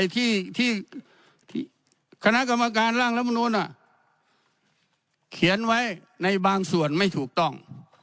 ที่คณะกรรมการร่างรัฐมนุนเขียนไว้ในบางส่วนไม่ถูกต้อง